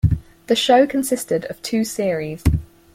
The show consisted of two series.